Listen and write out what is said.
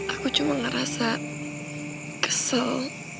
aku cuma ngerasa kesel